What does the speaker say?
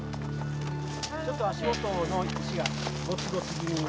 ちょっと足元の石がごつごつ気味に。